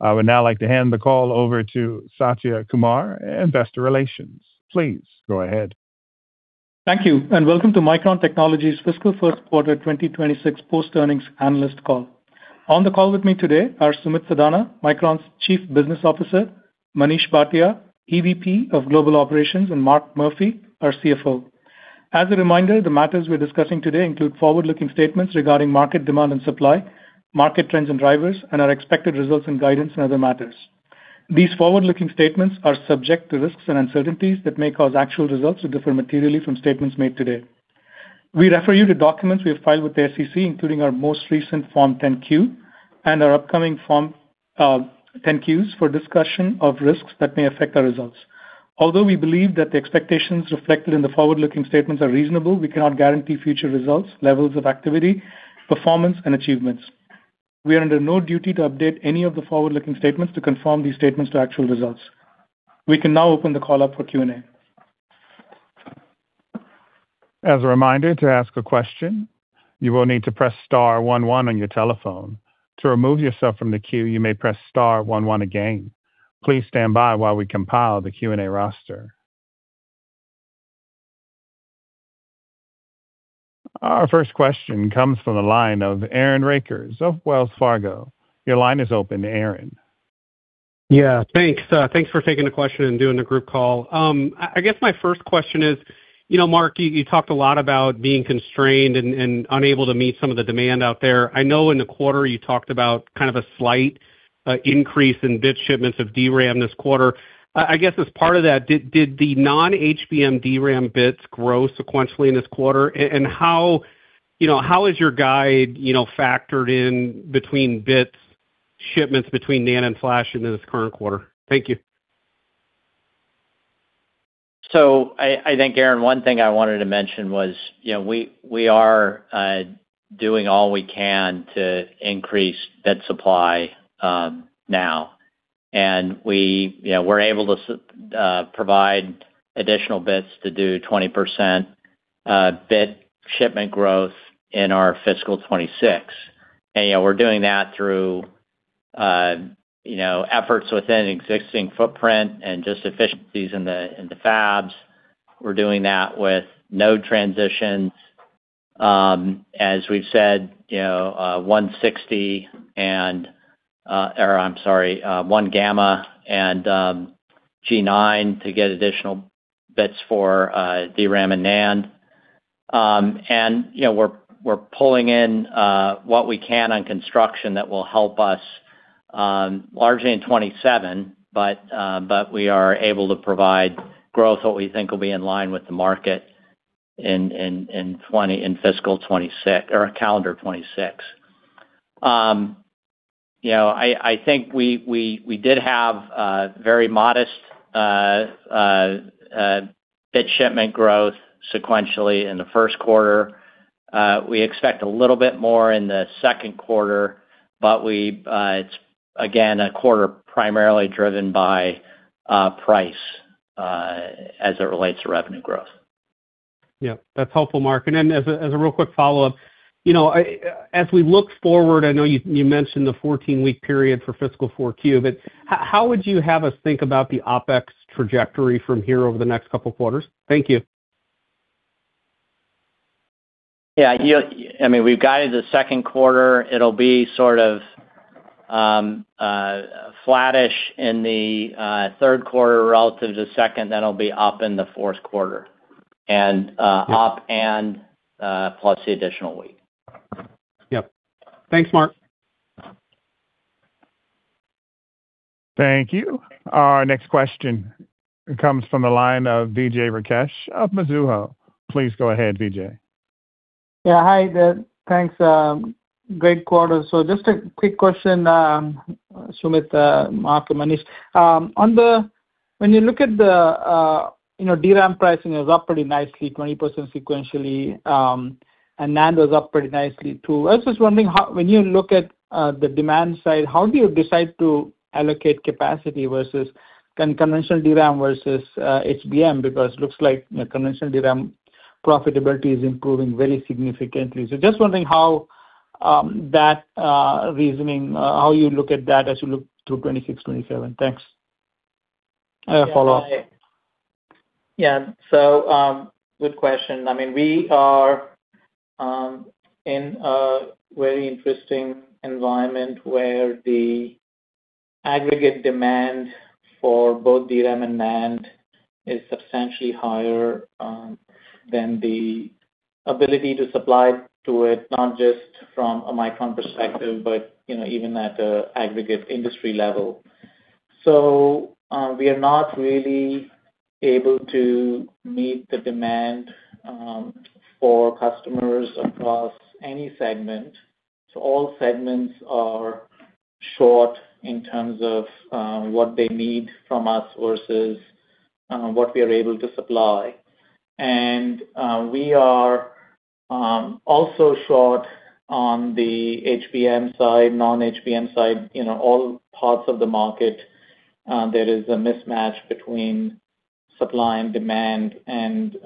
I would now like to hand the call over to Satya Kumar, Investor Relations. Please go ahead. Thank you, and welcome to Micron Technology's fiscal first quarter 2026 post-earnings analyst call. On the call with me today are Sumit Sadana, Micron's Chief Business Officer, Manish Bhatia, EVP of Global Operations, and Mark Murphy, our CFO. As a reminder, the matters we're discussing today include forward-looking statements regarding market demand and supply, market trends and drivers, and our expected results and guidance in other matters. These forward-looking statements are subject to risks and uncertainties that may cause actual results to differ materially from statements made today. We refer you to documents we have filed with the SEC, including our most recent Form 10-Q and our upcoming Form 10-Qs for discussion of risks that may affect our results. Although we believe that the expectations reflected in the forward-looking statements are reasonable, we cannot guarantee future results, levels of activity, performance, and achievements. We are under no duty to update any of the forward-looking statements to conform these statements to actual results. We can now open the call up for Q&A. As a reminder to ask a question, you will need to press star one one your telephone. To remove yourself from the queue, you may press star one one again. Please stand by while we compile the Q&A roster. Our first question comes from the line of Aaron Rakers of Wells Fargo. Your line is open, Aaron. Yeah, thanks. Thanks for taking the question and doing the group call. I guess my first question is, you know, Mark, you talked a lot about being constrained and unable to meet some of the demand out there. I know in the quarter you talked about kind of a slight increase in bit shipments of DRAM this quarter. I guess as part of that, did the non-HBM DRAM bits grow sequentially in this quarter? And how, you know, how has your guide, you know, factored in bit shipments between NAND and Flash in this current quarter? Thank you. So I think, Aaron, one thing I wanted to mention was, you know, we are doing all we can to increase bit supply now. And we were able to provide additional bits to do 20% bit shipment growth in our fiscal 2026. And, you know, we're doing that through, you know, efforts within existing footprint and just efficiencies in the fabs. We're doing that with node transitions, as we've said, you know, 1-beta and, or I'm sorry, 1-gamma and G9 to get additional bits for DRAM and NAND. And, you know, we're pulling in what we can on construction that will help us largely in 2027, but we are able to provide growth, what we think will be in line with the market in fiscal 2026 or calendar 2026. You know, I think we did have very modest bit shipment growth sequentially in the first quarter. We expect a little bit more in the second quarter, but it's again a quarter primarily driven by price as it relates to revenue growth. Yeah, that's helpful, Mark. And then as a real quick follow-up, you know, as we look forward, I know you mentioned the 14-week period for fiscal 4Q, but how would you have us think about the OPEX trajectory from here over the next couple of quarters? Thank you. Yeah, I mean, we've guided the second quarter. It'll be sort of flattish in the third quarter relative to the second. Then it'll be up in the fourth quarter and up and plus the additional week. Yep. Thanks, Mark. Thank you. Our next question comes from the line of Vijay Rakesh of Mizuho. Please go ahead, Vijay. Yeah, hi, thanks. Great quarter. So just a quick question, Sumit, Mark, and Manish. When you look at the, you know, DRAM pricing, it was up pretty nicely, 20% sequentially, and NAND was up pretty nicely too. I was just wondering, when you look at the demand side, how do you decide to allocate capacity versus conventional DRAM versus HBM? Because it looks like conventional DRAM profitability is improving very significantly. So just wondering how that reasoning, how you look at that as you look through 2026, 2027. Thanks. I have a follow-up. Yeah, so good question. I mean, we are in a very interesting environment where the aggregate demand for both DRAM and NAND is substantially higher than the ability to supply to it, not just from a Micron perspective, but, you know, even at an aggregate industry level. So we are not really able to meet the demand for customers across any segment. So all segments are short in terms of what they need from us versus what we are able to supply. And we are also short on the HBM side, non-HBM side, you know, all parts of the market. There is a mismatch between supply and demand, and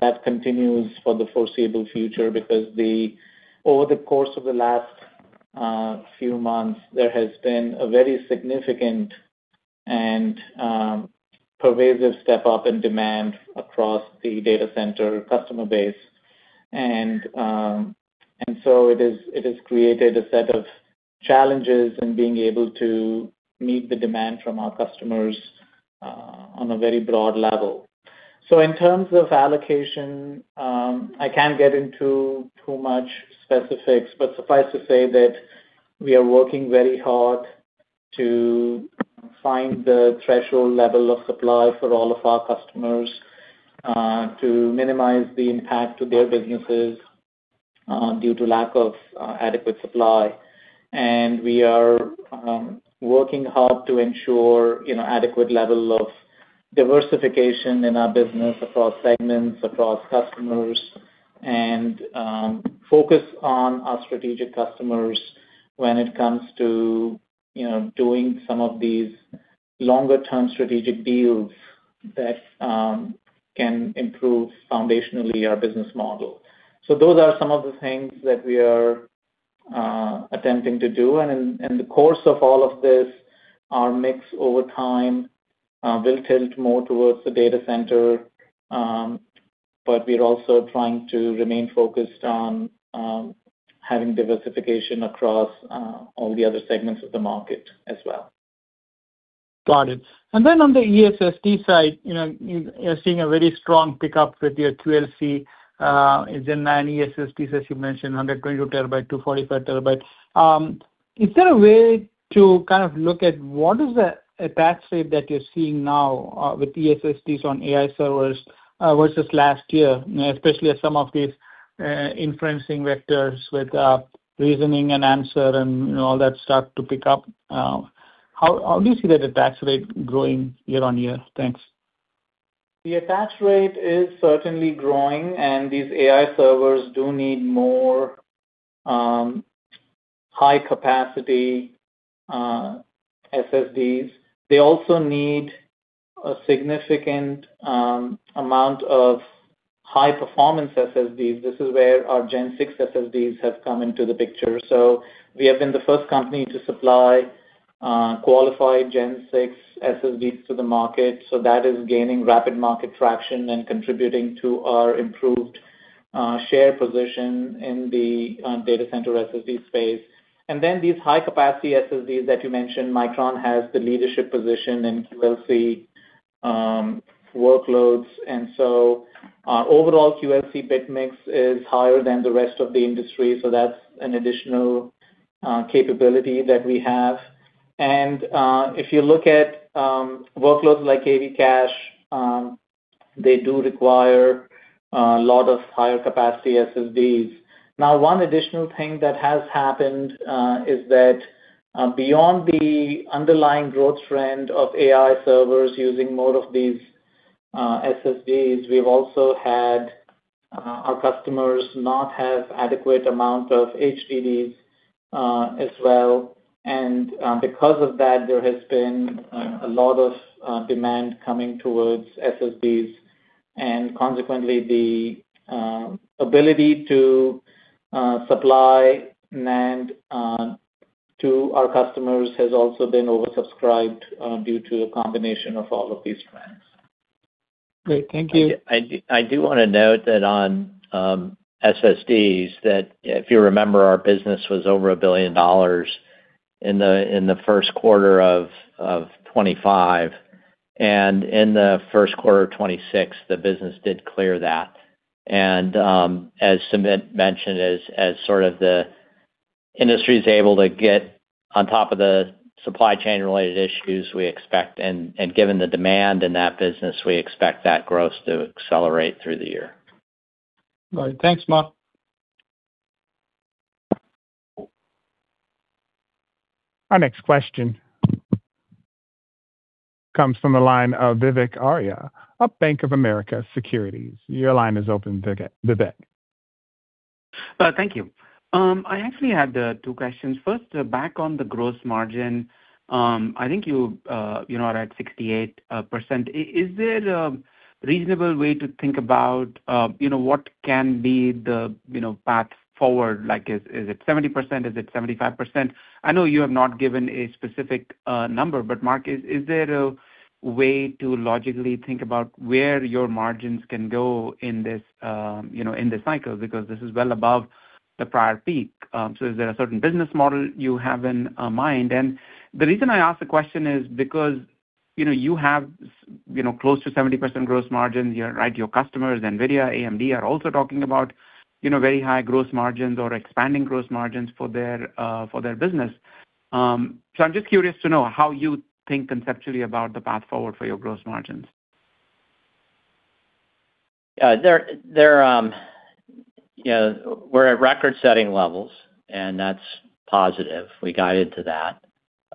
that continues for the foreseeable future because over the course of the last few months, there has been a very significant and pervasive step-up in demand across the data center customer base. And so it has created a set of challenges in being able to meet the demand from our customers on a very broad level. So in terms of allocation, I can't get into too much specifics, but suffice to say that we are working very hard to find the threshold level of supply for all of our customers to minimize the impact to their businesses due to lack of adequate supply. And we are working hard to ensure, you know, adequate level of diversification in our business across segments, across customers, and focus on our strategic customers when it comes to, you know, doing some of these longer-term strategic deals that can improve foundationally our business model. So those are some of the things that we are attempting to do. In the course of all of this, our mix over time will tilt more towards the data center, but we're also trying to remain focused on having diversification across all the other segments of the market as well. Got it. And then on the ESSD side, you know, you're seeing a very strong pickup with your QLC. It's in Gen9 ESSDs, as you mentioned, 122 TB, 245 TB. Is there a way to kind of look at what is the attach rate that you're seeing now with ESSDs on AI servers versus last year, especially as some of these inferencing vectors with reasoning and answer and all that stuff to pick up? How do you see that attach rate growing year on year? Thanks. The attach rate is certainly growing, and these AI servers do need more high-capacity SSDs. They also need a significant amount of high-performance SSDs. This is where our Gen6 SSDs have come into the picture, so we have been the first company to supply qualified Gen6 SSDs to the market, so that is gaining rapid market traction and contributing to our improved share position in the data center SSD space, and then these high-capacity SSDs that you mentioned, Micron has the leadership position in QLC workloads, and so overall, QLC bit mix is higher than the rest of the industry, so that's an additional capability that we have, and if you look at workloads like KV cache, they do require a lot of higher-capacity SSDs. Now, one additional thing that has happened is that beyond the underlying growth trend of AI servers using more of these SSDs, we've also had our customers not have an adequate amount of HDDs as well. And because of that, there has been a lot of demand coming towards SSDs. And consequently, the ability to supply NAND to our customers has also been oversubscribed due to a combination of all of these trends. Great. Thank you. I do want to note that on SSDs, that if you remember, our business was over $1 billion in the first quarter of 2025. And in the first quarter of 2026, the business did clear that. And as Sumit mentioned, as sort of the industry is able to get on top of the supply chain-related issues, we expect, and given the demand in that business, we expect that growth to accelerate through the year. All right. Thanks, Mark. Our next question comes from the line of Vivek Arya, Bank of America Securities. Your line is open, Vivek. Thank you. I actually had two questions. First, back on the gross margin, I think you are at 68%. Is there a reasonable way to think about, you know, what can be the, you know, path forward? Like, is it 70%? Is it 75%? I know you have not given a specific number, but Mark, is there a way to logically think about where your margins can go in this, you know, in this cycle? Because this is well above the prior peak. So is there a certain business model you have in mind? And the reason I ask the question is because, you know, you have, you know, close to 70% gross margins, right? Your customers, NVIDIA, AMD, are also talking about, you know, very high gross margins or expanding gross margins for their business. I'm just curious to know how you think conceptually about the path forward for your gross margins? Yeah, we're at record-setting levels, and that's positive. We guided to that,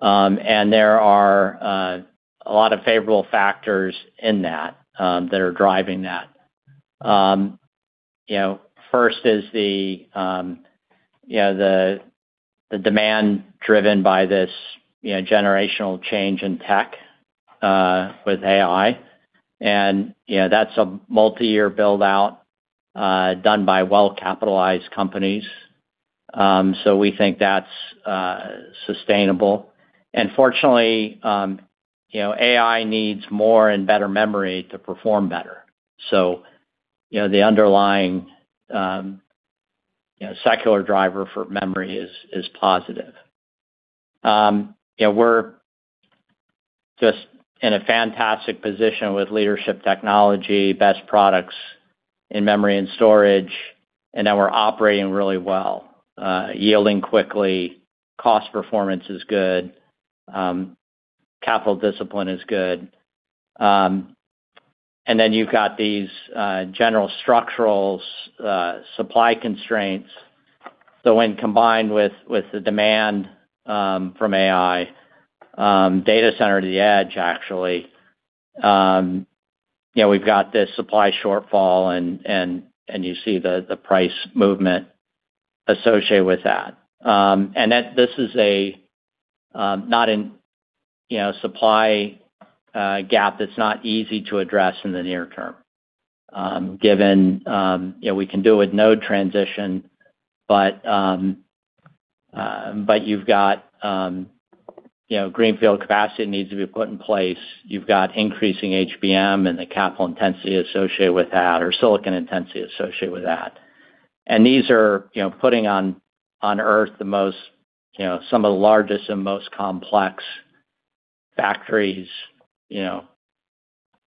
and there are a lot of favorable factors in that that are driving that. You know, first is, you know, the demand driven by this, you know, generational change in tech with AI. And, you know, that's a multi-year build-out done by well-capitalized companies. So we think that's sustainable, and fortunately, you know, AI needs more and better memory to perform better. So, you know, the underlying, you know, secular driver for memory is positive. You know, we're just in a fantastic position with leadership technology, best products in memory and storage, and then we're operating really well, yielding quickly. Cost performance is good. Capital discipline is good, and then you've got these general structural supply constraints. So when combined with the demand from AI, data center to the edge, actually, you know, we've got this supply shortfall, and you see the price movement associated with that. And this is a not-insignificant, you know, supply gap that's not easy to address in the near-term, given, you know, we can do a node transition, but you've got, you know, greenfield capacity needs to be put in place. You've got increasing HBM and the capital intensity associated with that, or silicon intensity associated with that. And these are, you know, putting on earth the most, you know, some of the largest and most complex factories, you know,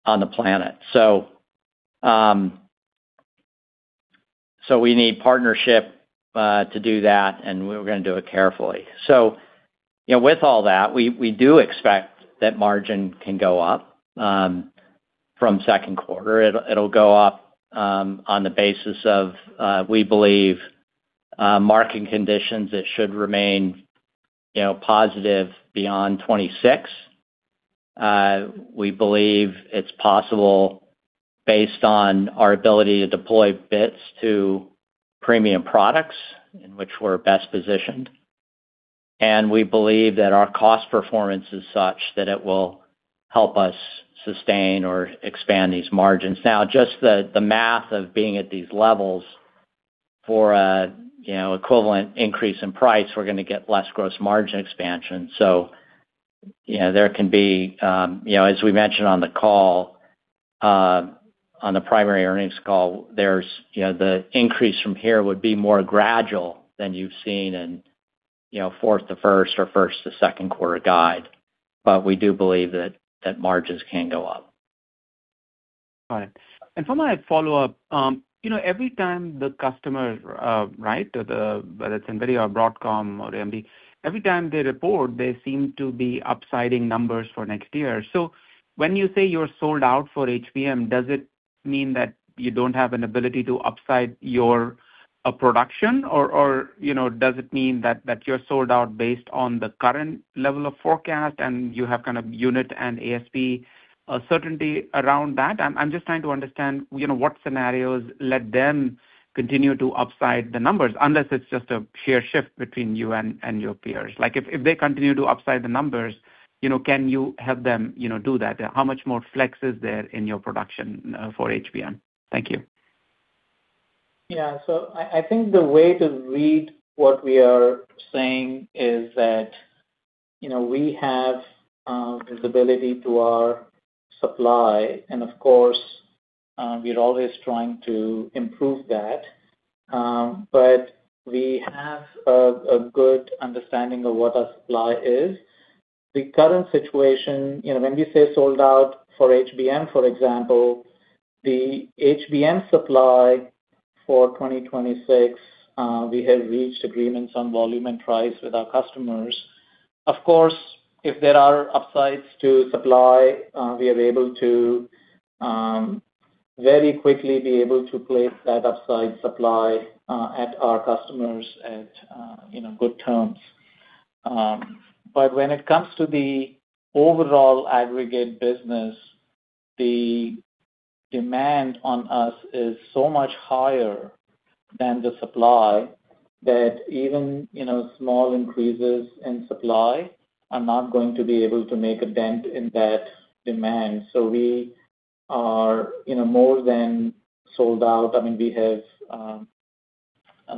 on the planet. So we need partnership to do that, and we're going to do it carefully. So, you know, with all that, we do expect that margin can go up from second quarter. It'll go up on the basis of, we believe, market conditions that should remain, you know, positive beyond 2026. We believe it's possible based on our ability to deploy bits to premium products in which we're best positioned, and we believe that our cost performance is such that it will help us sustain or expand these margins. Now, just the math of being at these levels for a, you know, equivalent increase in price, we're going to get less gross margin expansion. So, you know, there can be, you know, as we mentioned on the call, on the primary earnings call, there's, you know, the increase from here would be more gradual than you've seen in, you know, fourth to first or first to second quarter guide, but we do believe that margins can go up. Got it. And for my follow-up, you know, every time the customer, right, whether it's Nvidia or Broadcom or AMD, every time they report, they seem to be upsiding numbers for next year. So when you say you're sold out for HBM, does it mean that you don't have an ability to upside your production, or, you know, does it mean that you're sold out based on the current level of forecast and you have kind of unit and ASP certainty around that? I'm just trying to understand, you know, what scenarios let them continue to upside the numbers, unless it's just a sheer shift between you and your peers. Like, if they continue to upside the numbers, you know, can you help them, you know, do that? How much more flex is there in your production for HBM? Thank you. Yeah. So I think the way to read what we are saying is that, you know, we have visibility to our supply. And of course, we're always trying to improve that. But we have a good understanding of what our supply is. The current situation, you know, when we say sold out for HBM, for example, the HBM supply for 2026, we have reached agreements on volume and price with our customers. Of course, if there are upsides to supply, we are able to very quickly be able to place that upside supply at our customers at, you know, good terms. But when it comes to the overall aggregate business, the demand on us is so much higher than the supply that even, you know, small increases in supply are not going to be able to make a dent in that demand. So we are, you know, more than sold out. I mean, we have a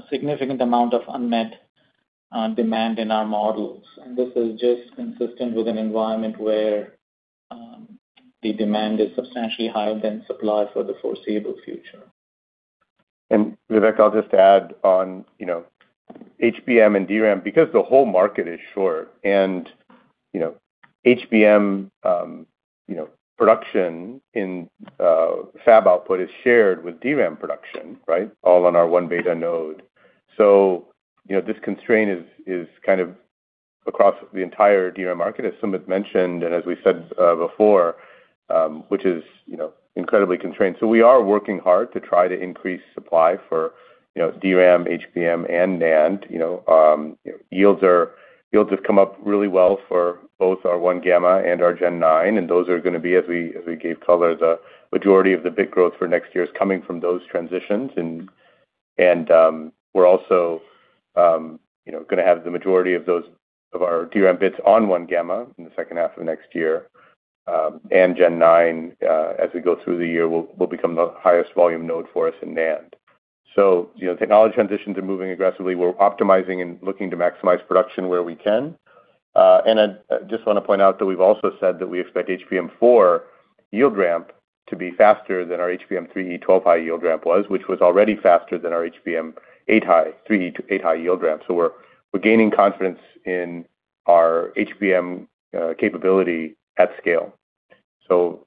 significant amount of unmet demand in our models. And this is just consistent with an environment where the demand is substantially higher than supply for the foreseeable future. Vivek, I'll just add on, you know, HBM and DRAM, because the whole market is short, and, you know, HBM, you know, production in fab output is shared with DRAM production, right, all on our 1-beta node. So, you know, this constraint is kind of across the entire DRAM market, as Sumit mentioned, and as we said before, which is, you know, incredibly constrained. So we are working hard to try to increase supply for, you know, DRAM, HBM, and NAND. You know, yields have come up really well for both our 1-gamma and our Gen9. And those are going to be, as we gave color, the majority of the big growth for next year is coming from those transitions. And we're also, you know, going to have the majority of our DRAM bits on 1-gamma in the second half of next year. Gen9, as we go through the year, will become the highest volume node for us in NAND. So, you know, technology transitions are moving aggressively. We're optimizing and looking to maximize production where we can. I just want to point out that we've also said that we expect HBM4 yield ramp to be faster than our HBM3E 12-high yield ramp was, which was already faster than our HBM 8-high yield ramp. So we're gaining confidence in our HBM capability at scale. So,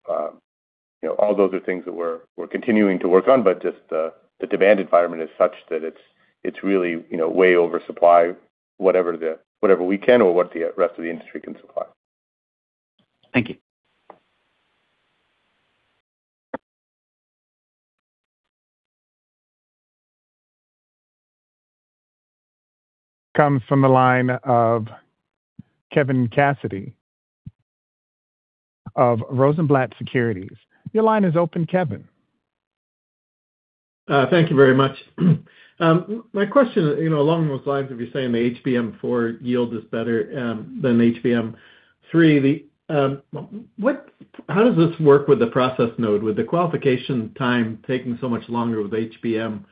you know, all those are things that we're continuing to work on, but just the demand environment is such that it's really, you know, way over supply, whatever we can or what the rest of the industry can supply. Thank you. Comes from the line of Kevin Cassidy of Rosenblatt Securities. Your line is open, Kevin. Thank you very much. My question, you know, along those lines, if you're saying the HBM4 yield is better than HBM3, how does this work with the process node? With the qualification time taking so much longer with HBM,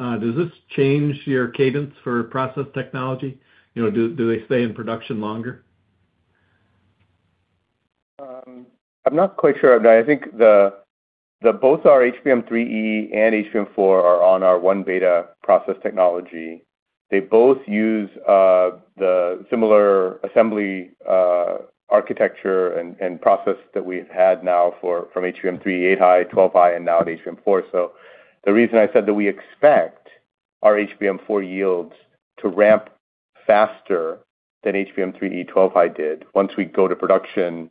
does this change your cadence for process technology? You know, do they stay in production longer? I'm not quite sure. I think both our HBM3E and HBM4 are on our 1-beta process technology. They both use the similar assembly architecture and process that we've had now from HBM3E 8-high, 12-high, and now at HBM4. So the reason I said that we expect our HBM4 yields to ramp faster than HBM3E 12-high did once we go to production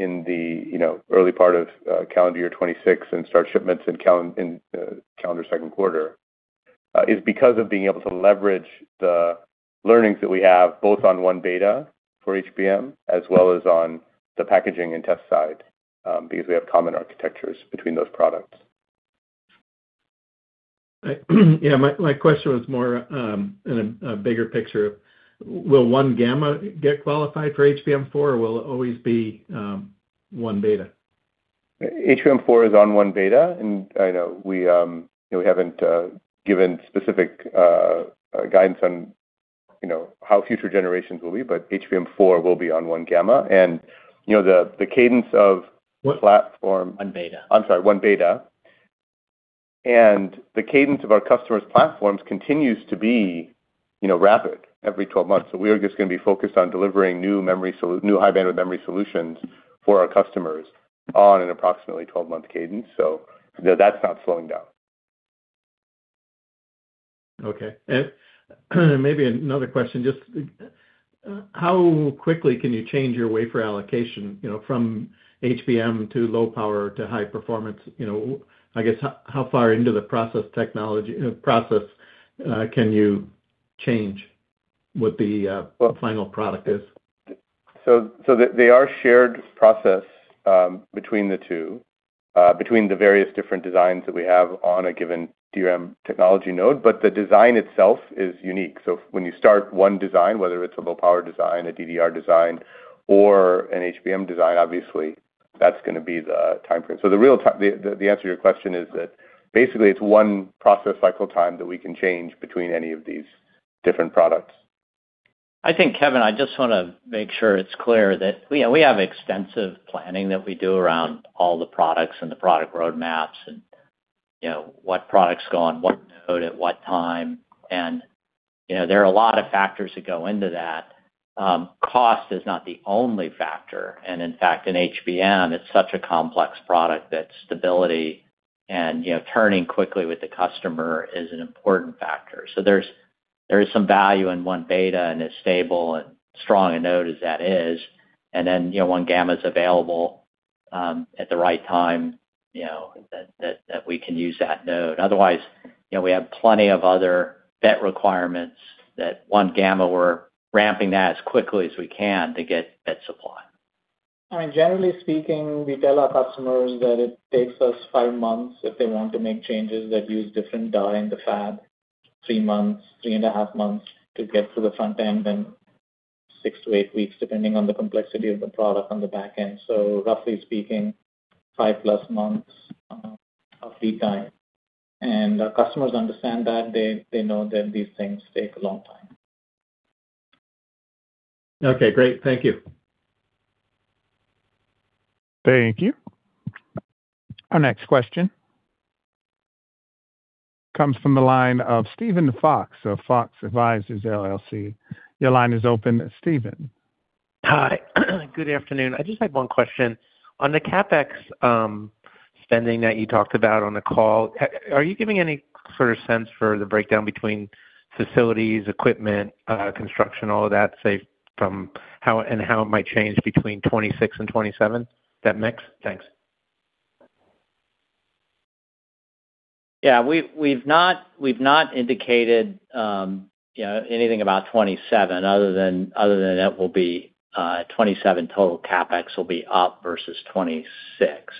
in the, you know, early part of calendar year 2026 and start shipments in calendar second quarter is because of being able to leverage the learnings that we have both on 1-beta for HBM as well as on the packaging and test side because we have common architectures between those products. Yeah. My question was more in a bigger picture. Will 1-gamma get qualified for HBM4, or will it always be 1-beta? HBM4 is on 1-beta. I know we haven't given specific guidance on, you know, how future generations will be, but HBM4 will be on 1-gamma. You know, the cadence of platform. 1-beta. I'm sorry, 1-beta. And the cadence of our customers' platforms continues to be, you know, rapid every 12 months. So we are just going to be focused on delivering new memory, new high-bandwidth memory solutions for our customers on an approximately 12-month cadence. So, you know, that's not slowing down. Okay. Maybe another question. Just how quickly can you change your wafer allocation, you know, from HBM to low power to high performance? You know, I guess how far into the process technology can you change what the final product is? So they are shared process between the two, between the various different designs that we have on a given DRAM technology node. But the design itself is unique. So when you start one design, whether it's a low power design, a DDR design, or an HBM design, obviously, that's going to be the time frame. So the real time, the answer to your question is that basically it's one process cycle time that we can change between any of these different products. I think, Kevin, I just want to make sure it's clear that we have extensive planning that we do around all the products and the product roadmaps and, you know, what products go on what node at what time. And, you know, there are a lot of factors that go into that. Cost is not the only factor. And in fact, in HBM, it's such a complex product that stability and, you know, turning quickly with the customer is an important factor. So there's some value in 1-beta and as stable and strong a node as that is. And then, you know, 1-gamma is available at the right time, you know, that we can use that node. Otherwise, you know, we have plenty of other bet requirements that 1-gamma we're ramping that as quickly as we can to get that supply. I mean, generally speaking, we tell our customers that it takes us five months if they want to make changes that use different data in the fab, three months, three and a half months to get to the front end, and six to eight weeks, depending on the complexity of the product on the back end. So roughly speaking, five plus months of lead time. And our customers understand that. They know that these things take a long time. Okay. Great. Thank you. Thank you. Our next question comes from the line of Steven Fox of Fox Advisors LLC. Your line is open. Steven. Hi. Good afternoon. I just had one question. On the CapEx spending that you talked about on the call, are you giving any sort of sense for the breakdown between facilities, equipment, construction, all of that, say, from now and how it might change between 2026 and 2027? That mix? Thanks. Yeah. We've not indicated, you know, anything about 2027 other than that 2027 total CapEx will be up versus 2026.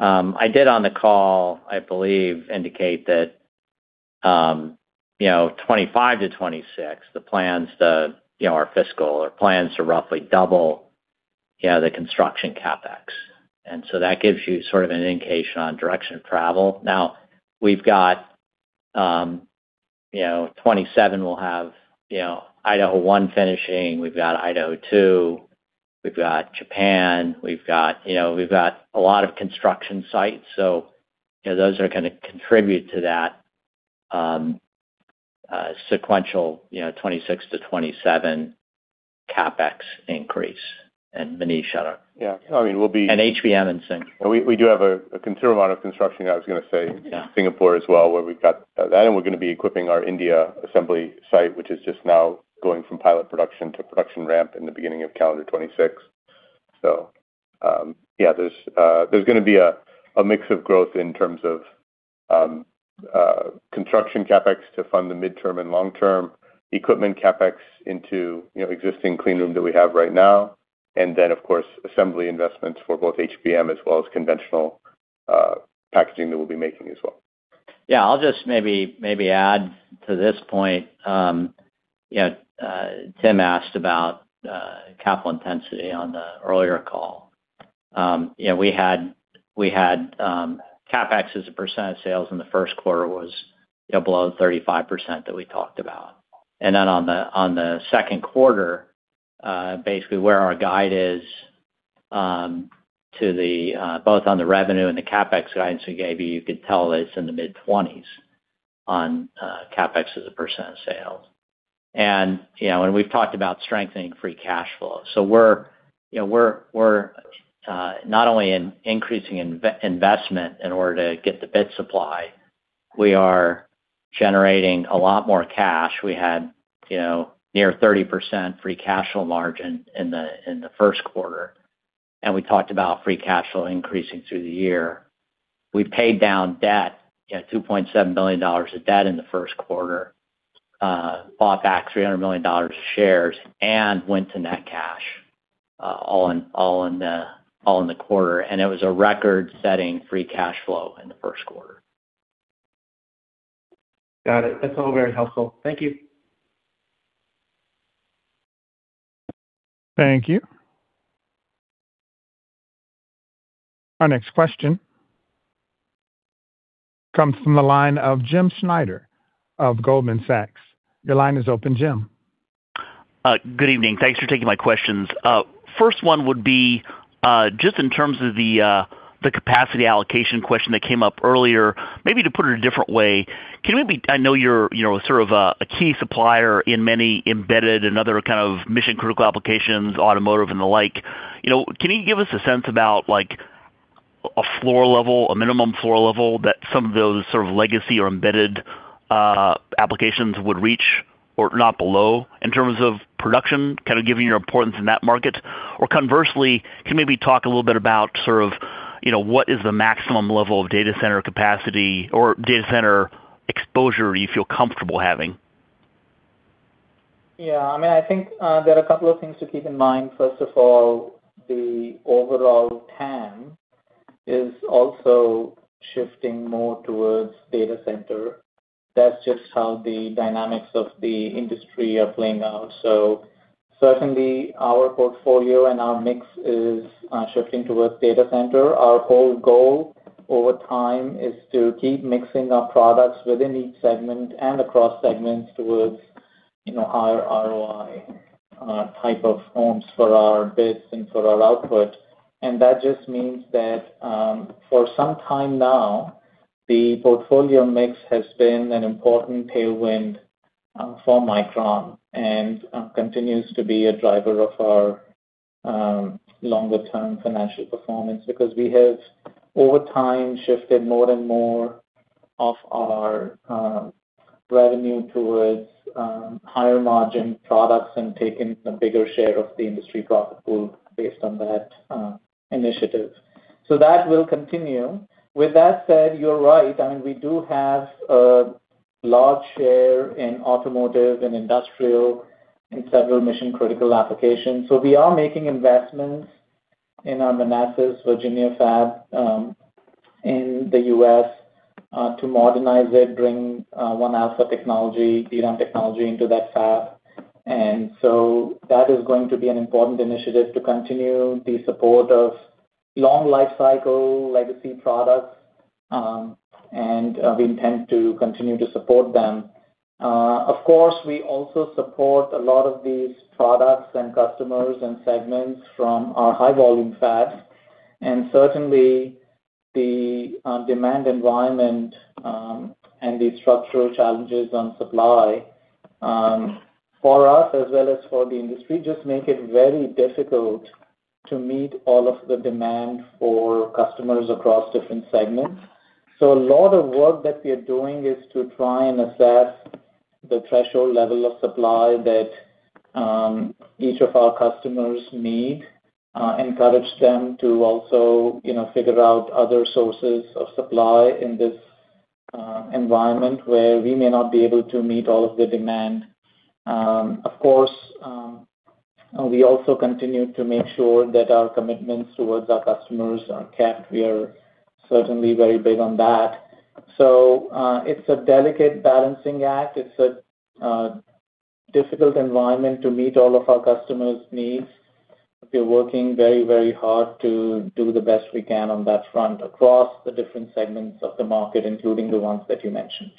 I did on the call, I believe, indicate that, you know, 2025 to 2026, the plans to, you know, our fiscal plans to roughly double, you know, the construction CapEx. And so that gives you sort of an indication on direction of travel. Now, we've got, you know, 2027, we'll have, you know, Idaho 1 finishing. We've got Idaho 2. We've got Japan. We've got, you know, we've got a lot of construction sites. So, you know, those are going to contribute to that sequential, you know, 2026 to 2027 CapEx increase. And Manish. Yeah. I mean, we'll be. HBM and Singapore. We do have a considerable amount of construction, I was going to say, in Singapore as well, where we've got that. And we're going to be equipping our India assembly site, which is just now going from pilot production to production ramp in the beginning of calendar 2026. So, yeah, there's going to be a mix of growth in terms of construction CapEx to fund the midterm and long-term equipment CapEx into, you know, existing clean room that we have right now. And then, of course, assembly investments for both HBM as well as conventional packaging that we'll be making as well. Yeah. I'll just maybe add to this point. You know, Tim asked about capital intensity on the earlier call. You know, we had CapEx as a percentage of sales in the first quarter was, you know, below 35% that we talked about. And then on the second quarter, basically where our guide is to the both on the revenue and the CapEx guidance we gave you, you could tell it's in the mid-20s on CapEx as a percent of sales. And, you know, and we've talked about strengthening free cash flow. So we're, you know, we're not only increasing investment in order to get the bit supply, we are generating a lot more cash. We had, you know, near 30% free cash flow margin in the first quarter. And we talked about free cash flow increasing through the year. We paid down debt, you know, $2.7 billion of debt in the first quarter, bought back $300 million of shares, and went to net cash all in the quarter, and it was a record-setting free cash flow in the first quarter. Got it. That's all very helpful. Thank you. Thank you. Our next question comes from the line of Jim Schneider of Goldman Sachs. Your line is open, Jim. Good evening. Thanks for taking my questions. First one would be just in terms of the capacity allocation question that came up earlier, maybe to put it a different way, can we be? I know you're, you know, sort of a key supplier in many embedded and other kind of mission-critical applications, automotive and the like. You know, can you give us a sense about, like, a floor level, a minimum floor level that some of those sort of legacy or embedded applications would reach or not below in terms of production, kind of giving your importance in that market? Or conversely, can we maybe talk a little bit about sort of, you know, what is the maximum level of data center capacity or data center exposure you feel comfortable having? Yeah. I mean, I think there are a couple of things to keep in mind. First of all, the overall TAM is also shifting more towards data center. That's just how the dynamics of the industry are playing out. So certainly our portfolio and our mix is shifting towards data center. Our whole goal over time is to keep mixing our products within each segment and across segments towards, you know, higher ROI type of homes for our bits and for our output. And that just means that for some time now, the portfolio mix has been an important tailwind for Micron and continues to be a driver of our longer-term financial performance because we have over time shifted more and more of our revenue towards higher margin products and taken a bigger share of the industry profit pool based on that initiative. So that will continue. With that said, you're right. I mean, we do have a large share in automotive and industrial and several mission-critical applications. So we are making investments in our Manassas, Virginia fab in the U.S. to modernize it, bring 1-alpha technology, DRAM technology into that fab. And so that is going to be an important initiative to continue the support of long lifecycle, legacy products. And we intend to continue to support them. Of course, we also support a lot of these products and customers and segments from our high-volume fabs. And certainly the demand environment and the structural challenges on supply for us as well as for the industry just make it very difficult to meet all of the demand for customers across different segments. So a lot of work that we are doing is to try and assess the threshold level of supply that each of our customers need, encourage them to also, you know, figure out other sources of supply in this environment where we may not be able to meet all of the demand. Of course, we also continue to make sure that our commitments towards our customers are kept. We are certainly very big on that. So it's a delicate balancing act. It's a difficult environment to meet all of our customers' needs. We're working very, very hard to do the best we can on that front across the different segments of the market, including the ones that you mentioned.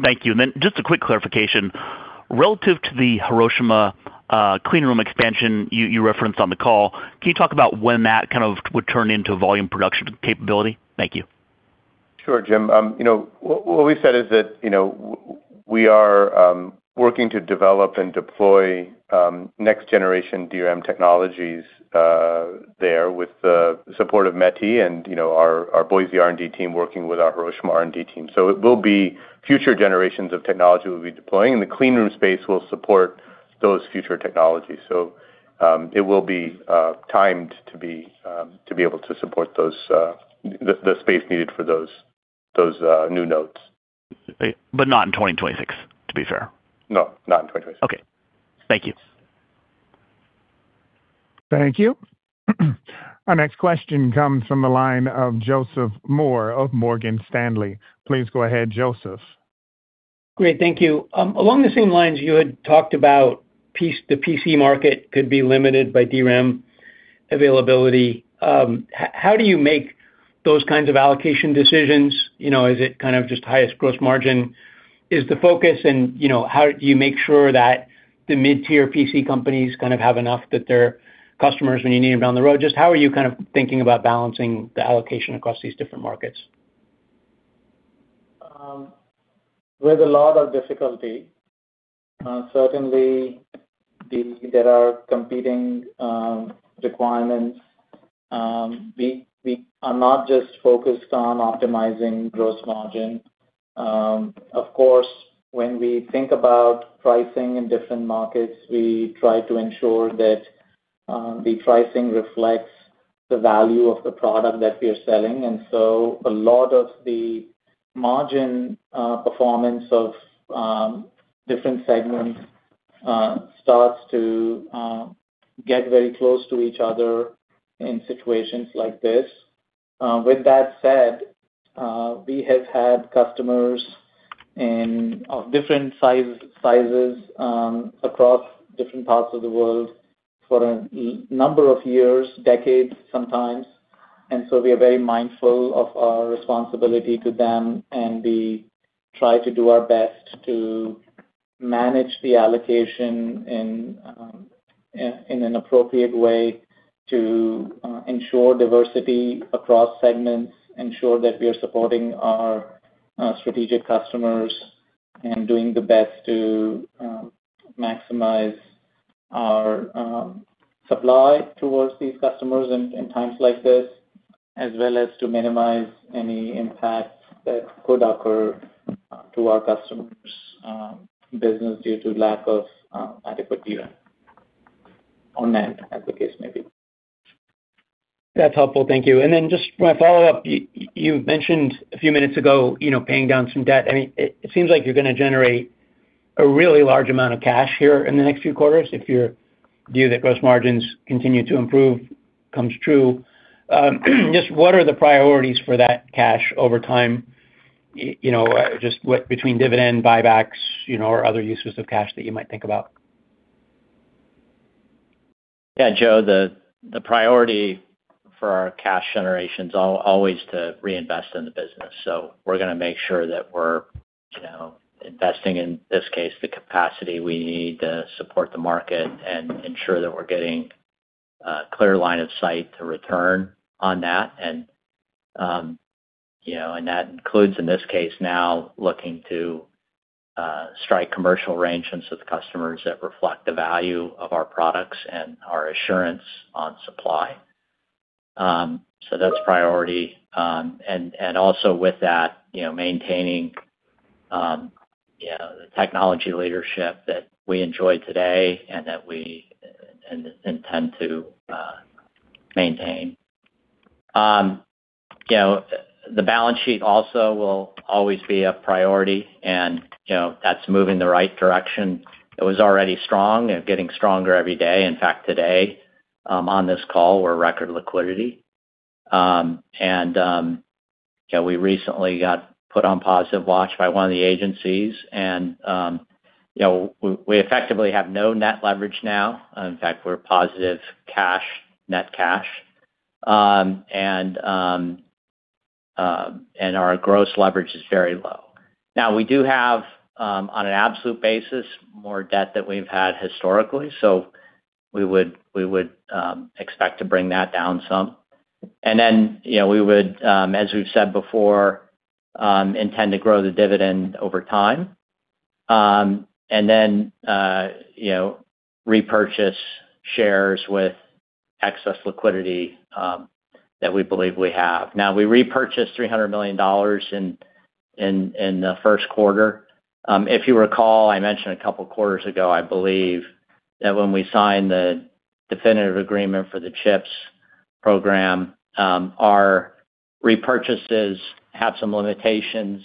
Thank you. And then just a quick clarification. Relative to the Hiroshima clean room expansion you referenced on the call, can you talk about when that kind of would turn into volume production capability? Thank you. Sure, Jim. You know, what we've said is that, you know, we are working to develop and deploy next-generation DRAM technologies there with the support of METI and, you know, our Boise R&D team working with our Hiroshima R&D team. So it will be future generations of technology we'll be deploying. And the clean room space will support those future technologies. So it will be timed to be able to support those, the space needed for those new nodes. But not in 2026, to be fair. No, not in 2026. Okay. Thank you. Thank you. Our next question comes from the line of Joseph Moore of Morgan Stanley. Please go ahead, Joseph. Great. Thank you. Along the same lines, you had talked about the PC market could be limited by DRAM availability. How do you make those kinds of allocation decisions? You know, is it kind of just highest gross margin is the focus? And, you know, how do you make sure that the mid-tier PC companies kind of have enough that their customers, when you need them down the road, just how are you kind of thinking about balancing the allocation across these different markets? With a lot of difficulty. Certainly, there are competing requirements. We are not just focused on optimizing Gross Margin. Of course, when we think about pricing in different markets, we try to ensure that the pricing reflects the value of the product that we are selling, and so a lot of the margin performance of different segments starts to get very close to each other in situations like this. With that said, we have had customers of different sizes across different parts of the world for a number of years, decades sometimes, and so we are very mindful of our responsibility to them. We try to do our best to manage the allocation in an appropriate way to ensure diversity across segments, ensure that we are supporting our strategic customers, and doing the best to maximize our supply towards these customers in times like this, as well as to minimize any impacts that could occur to our customers' business due to lack of adequate DRAM on that, as the case may be. That's helpful. Thank you. And then just my follow-up. You mentioned a few minutes ago, you know, paying down some debt. I mean, it seems like you're going to generate a really large amount of cash here in the next few quarters if your view that gross margins continue to improve comes true. Just what are the priorities for that cash over time, you know, just between dividend, buybacks, you know, or other uses of cash that you might think about? Yeah, Joe, the priority for our cash generation is always to reinvest in the business. So we're going to make sure that we're, you know, investing in this case the capacity we need to support the market and ensure that we're getting a clear line of sight to return on that. And, you know, and that includes in this case now looking to strike commercial arrangements with customers that reflect the value of our products and our assurance on supply. So that's priority. And also with that, you know, maintaining, you know, the technology leadership that we enjoy today and that we intend to maintain. You know, the balance sheet also will always be a priority. And, you know, that's moving the right direction. It was already strong and getting stronger every day. In fact, today on this call, we're record liquidity. You know, we recently got put on positive watch by one of the agencies. You know, we effectively have no net leverage now. In fact, we're positive cash, net cash. Our gross leverage is very low. Now, we do have on an absolute basis more debt than we've had historically. So we would expect to bring that down some. You know, we would, as we've said before, intend to grow the dividend over time. You know, repurchase shares with excess liquidity that we believe we have. Now, we repurchased $300 million in the first quarter. If you recall, I mentioned a couple of quarters ago, I believe, that when we signed the definitive agreement for the CHIPS Program, our repurchases have some limitations.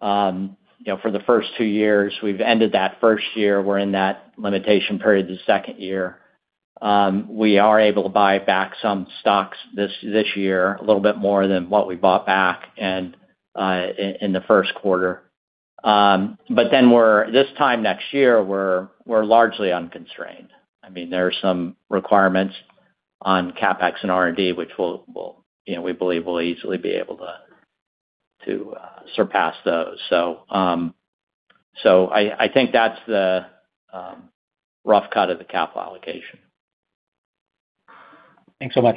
You know, for the first two years, we've ended that first year. We're in that limitation period the second year. We are able to buy back some stocks this year a little bit more than what we bought back in the first quarter. But then we're this time next year, we're largely unconstrained. I mean, there are some requirements on CapEx and R&D, which we'll, you know, we believe we'll easily be able to surpass those. So I think that's the rough cut of the capital allocation. Thanks so much.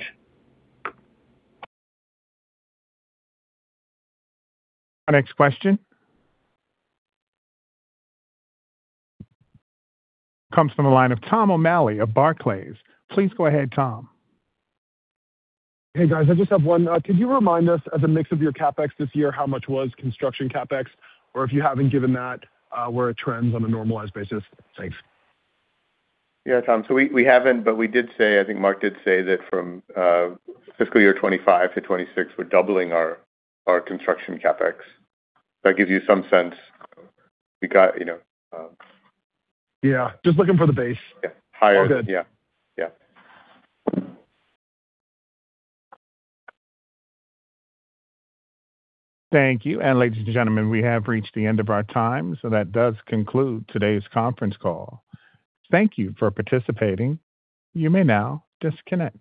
Our next question comes from the line of Tom O'Malley of Barclays. Please go ahead, Tom. Hey, guys, I just have one. Could you remind us what's the mix of your CapEx this year? How much was construction CapEx? Or if you haven't given that, what are the trends on a normalized basis. Thanks. Yeah, Tom. So we haven't, but we did say, I think Mark did say that from fiscal year 2025 to 2026, we're doubling our construction CapEx. That gives you some sense. We got, you know. Yeah. Just looking for the base. Yeah. Higher. Yeah. Yeah. Thank you. And ladies and gentlemen, we have reached the end of our time. So that does conclude today's conference call. Thank you for participating. You may now disconnect.